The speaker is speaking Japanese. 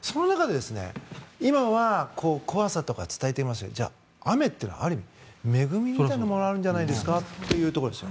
今は、怖さとか伝えていますけどじゃあ、雨というのはある意味、恵みでもあるんじゃないですかというところです。